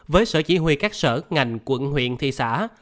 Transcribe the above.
với sở chỉ huy các sở ngành quận huyện thị xã